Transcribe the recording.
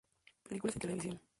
Películas y televisión